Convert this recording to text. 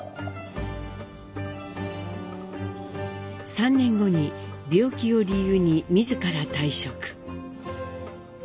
３年後に病気を理由に自ら退職。